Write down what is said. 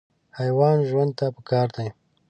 حیوان ژوند ته پکار دی.